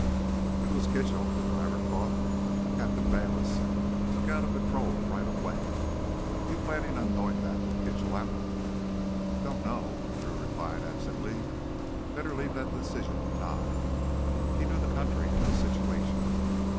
It was Kitchell, th' driver thought. Captain Bayliss took out a patrol right away. You plannin' on goin' back with Kitchell out?" "Don't know," Drew replied absently. Better leave that decision to Nye; he knew the country and the situation.